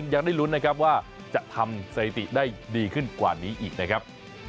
ยังได้ลุ้นนะครับว่าจะทำสถิติได้ดีขึ้นกว่านี้อีกนะครับ